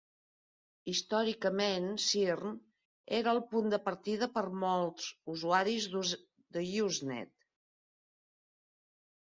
Històricament, "slrn" era el punt de partida per a molts usuaris d'Usenet.